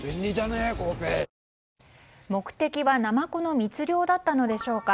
目的はナマコの密漁だったのでしょうか。